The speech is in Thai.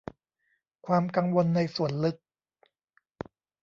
ความกังวลในส่วนลึก